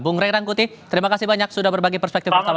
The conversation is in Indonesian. bung rey rangkuti terima kasih banyak sudah berbagi perspektif pertama